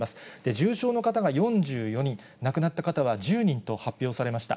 重症の方が４４人、亡くなった方は１０人と発表されました。